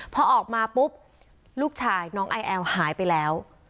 พอออกมาปุ๊บลูกชายน้องไอแอลหายไปแล้ว